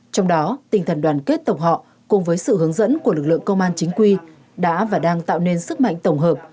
trong đó tinh thần đoàn kết tổng họ cùng với sự hướng dẫn của lực lượng công an chính quy đã và đang tạo nên sức mạnh tổng hợp